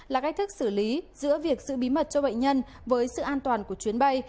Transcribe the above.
là cách thức xử lý giữa việc giữ bí mật cho bệnh nhân với sự an toàn của chuyến bay